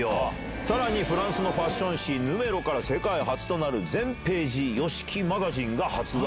さらに、フランスのファッション誌、ヌメロから世界初となる全ページＹＯＳＨＩＫＩマガジンが発売。